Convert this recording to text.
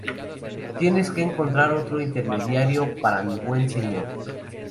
Tienes que encontrar otro intermediario para mi buen señor".